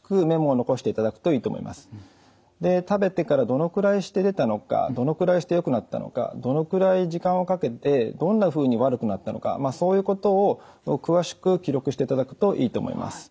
食べてからどのくらいして出たのかどのくらいしてよくなったのかどのくらい時間をかけてどんなふうに悪くなったのかそういうことを詳しく記録していただくといいと思います。